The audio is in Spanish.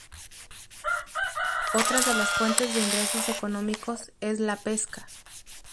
Otras de las fuentes de ingresos económicos es la pesca.